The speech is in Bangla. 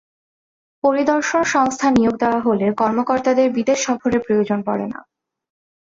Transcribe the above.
পরিদর্শন সংস্থা নিয়োগ দেওয়া হলে কর্মকর্তাদের বিদেশ সফরের প্রয়োজন পড়ে না।